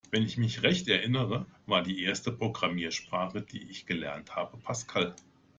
Wenn ich mich recht erinnere, war die erste Programmiersprache, die ich gelernt habe, Pascal.